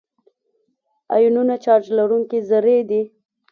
آیونونه چارج لرونکي ذرې دي.